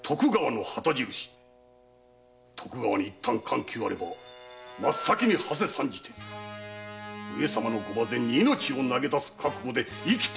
徳川に一旦緩急あれば真っ先にはせ参じて上様のご馬前に命を投げ出す覚悟で生きているのです！